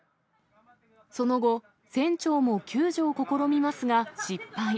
その後、船長も救助を試みますが、失敗。